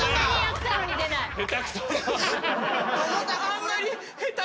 あんまり。